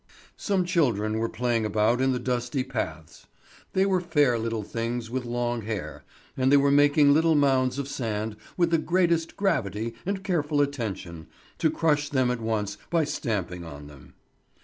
Some children were playing about in the dusty paths. They were fair little things with long hair, and they were making little mounds of sand with the greatest gravity and careful attention, to crush them at once by stamping on them.